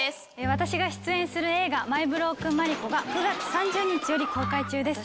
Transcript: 私が出演する映画『マイ・ブロークン・マリコ』が９月３０日より公開中です。